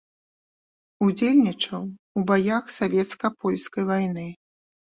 Удзельнічаў у баях савецка-польскай вайны.